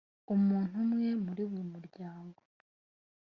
umuntu umwe muri buri muryango,